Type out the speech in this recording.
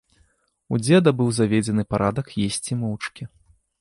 У дзеда быў заведзены парадак есці моўчкі.